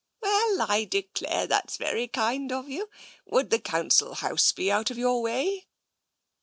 "Well, I declare that's very kind of you. Would the Council House be out of your way?